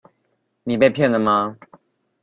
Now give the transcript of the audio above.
你被騙了嗎？